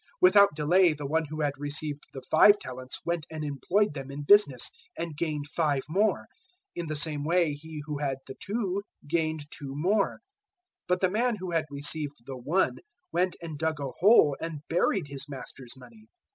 025:016 Without delay the one who had received the five talents went and employed them in business, and gained five more. 025:017 In the same way he who had the two gained two more. 025:018 But the man who had received the one went and dug a hole and buried his master's money.